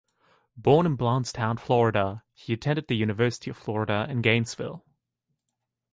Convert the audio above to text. Born in Blountstown, Florida, he attended the University of Florida in Gainesville.